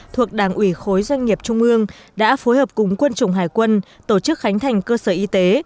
thuộc đảng ủy khối doanh nghiệp trung ương đã phối hợp cùng quân chủng hải quân tổ chức khánh thành cơ sở y tế